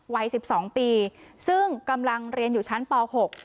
วัยสิบสองปีซึ่งกำลังเรียนอยู่ชั้นป๖